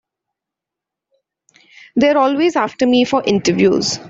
They're always after me for interviews.